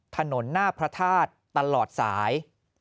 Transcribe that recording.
ถนนหน้าพระธาตุตลอดสาย